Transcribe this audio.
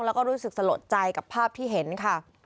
แล้วก็รู้สึกสลดใจกับภาพที่เห็นค่ะ